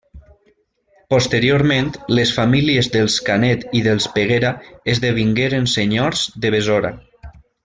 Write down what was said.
Posteriorment, les famílies dels Canet i dels Peguera esdevingueren senyors de Besora.